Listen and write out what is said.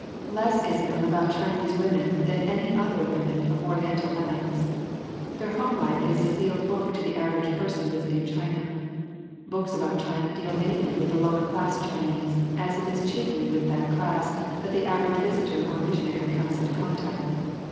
Less is known about Chinese women than about any other women of Oriental lands. Their home life is a sealed book to the average person visiting China. Books about China deal mainly with the lower class Chinese, as it is chiefly with that class that the average visitor or missionary comes into contact.